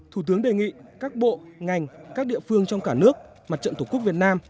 thủ tướng đề nghị các bộ ngành các địa phương trong cả nước mặt trận tổ quốc việt nam